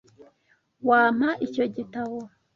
Wampa icyo gitabo?